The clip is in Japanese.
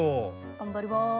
頑張ります。